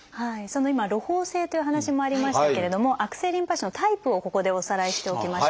今「ろほう性」というお話もありましたけれども悪性リンパ腫のタイプをここでおさらいしておきましょう。